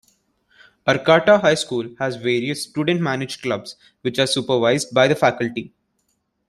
Arcata High School has various student-managed clubs, which are supervised by the faculty.